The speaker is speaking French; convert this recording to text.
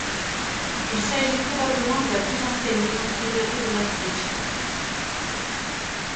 Il s'agit probablement de la plus ancienne maison préservée de Maastricht.